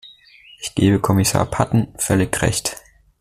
Ich gebe Kommissar Patten völlig Recht.